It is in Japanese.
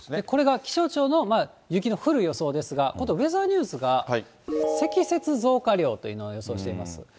これが気象庁の雪の降る予想ですが、ウェザーニューズが積雪増加量というのを予想しています。